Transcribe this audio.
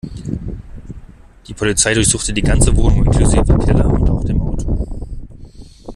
Die Polizei durchsuchte die ganze Wohnung inklusive Keller und auch dem Auto.